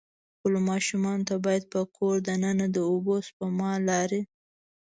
خپلو ماشومان ته باید په کور د ننه د اوبه سپما لارې.